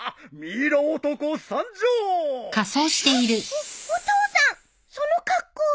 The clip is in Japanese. おっお父さんその格好。